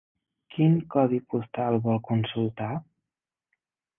Quin codi postal vol consultar?